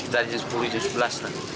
dari jam sepuluh sampai jam sebelas